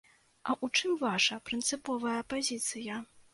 А ў чым ваша прынцыповая пазіцыя?